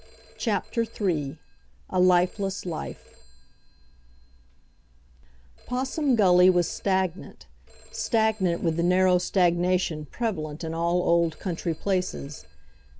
CHAPTER THREE A Lifeless Life Possum Gully was stagnant stagnant with the narrow stagnation prevalent in all old country places.